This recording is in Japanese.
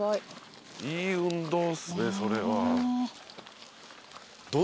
いい運動っすねそれは。